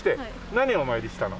何をお参りしたの？